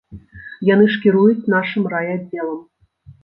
Яны ж кіруюць нашым райаддзелам.